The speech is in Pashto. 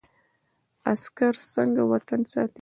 عسکر څنګه وطن ساتي؟